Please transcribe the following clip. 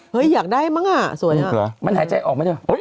เฮ้ยอยากได้มั้งอ่ะสวยอ่ะมันหายใจออกมั้ยด้วย